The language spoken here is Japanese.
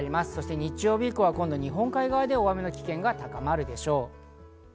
日曜日以降は日本海側で大雨の危険が高まるでしょう。